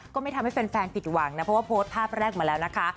ก็ไม่ทำให้แฟนผิดหวังนะเพราะว่าโพสต์ภาพแรกมาแล้วนะคะ